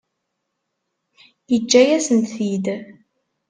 Yeǧǧa-yasent-t-id.